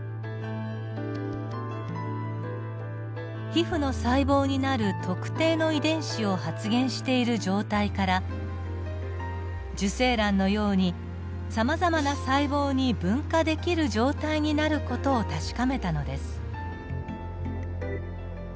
皮膚の細胞になる特定の遺伝子を発現している状態から受精卵のようにさまざまな細胞に分化できる状態になる事を確かめたのです。